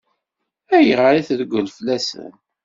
Ayɣer i treggel fell-asen?